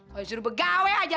kau disuruh begawe aja